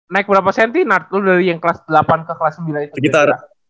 naik berapa cm narkol dari yang kelas delapan ke kelas sembilan itu